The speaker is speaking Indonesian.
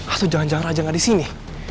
atau jangan jangan raja gak disini